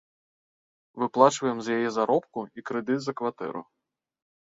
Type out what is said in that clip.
Выплачваем з яе заробку і крэдыт за кватэру.